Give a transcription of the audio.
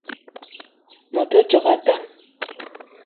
Me te so a tan